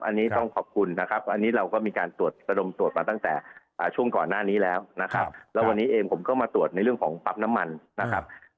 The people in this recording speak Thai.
อันนี้ต้องขอบคุณนะครับอันนี้เราก็มีการตรวจระดมตรวจมาตั้งแต่ช่วงก่อนหน้านี้แล้วนะครับแล้ววันนี้เองผมก็มาตรวจในเรื่องของปั๊มน้ำมันนะครับ